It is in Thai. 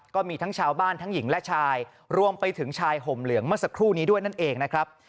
ก็มีทั้งชาวบ้านทั้งหญิงและชายรวมไปถึงชายห่มเหลืองเมื่อสักครู่นี้ด้วยนั่นเองนะครับ